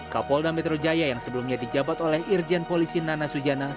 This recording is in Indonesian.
kapolda metro jaya yang sebelumnya dijabat oleh irjen polisi nana sujana